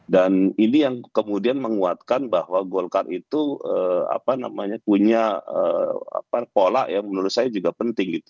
dan ini yang kemudian menguatkan bahwa gokar itu punya pola yang menurut saya juga penting